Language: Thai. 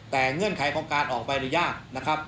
แต่เงื่อนไขของการออกไปหรือยาก